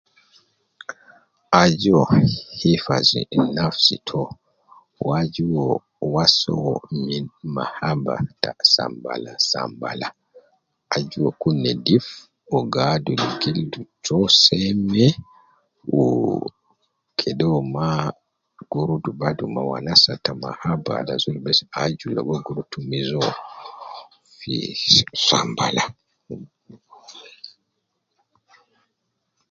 Aju uwo hifazi nafsi to wu aju uwo wasa uwo min mahaba ta sambala sambala, aju uwo kun nedif, uwo gi adul gildu to seme ,wu, kede uwo ma gi rudu badu ma wanasa ta mahaba wala sun, bes aju logo uwo gi rua tumiza uwo fi sambala